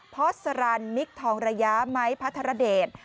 พอสรันมิคทองระยะไม้พระธรเดช